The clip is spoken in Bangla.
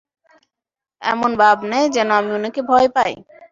এমন ভাব নেয় যেন আমি উনাকে ভয় পাই।